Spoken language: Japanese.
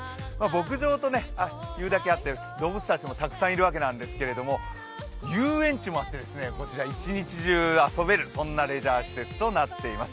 牧場というだけあって動物たちもたくさんいるわけなんですけれど遊園地もあって、こちら一日中遊べる、そんなレジャー施設となっています。